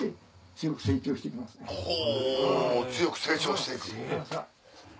強く成長して行く。